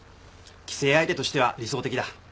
寄生相手としては理想的だ。